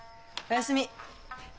おやすみ。